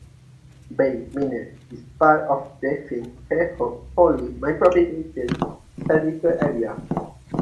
Bay Minette is part of the Daphne-Fairhope-Foley Micropolitan Statistical Area.